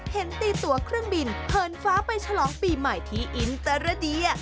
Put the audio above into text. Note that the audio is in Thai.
เห็นตีตัวเครื่องบินเหินฟ้าไปฉลองปีใหม่ที่อินเตรเดีย